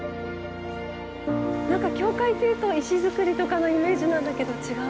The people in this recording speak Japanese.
何か教会っていうと石造りとかのイメーシなんだけど違う。